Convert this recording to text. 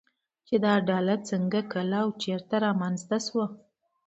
چې دا ډله څنگه، کله او چېرته رامنځته شوه